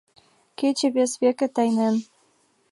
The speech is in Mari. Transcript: Кече вес веке тайнен.